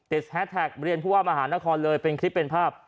แฮสแท็กเรียนผู้ว่ามหานครเลยเป็นคลิปเป็นภาพ